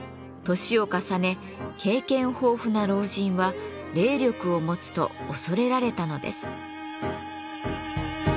年を重ね経験豊富な老人は霊力を持つと恐れられたのです。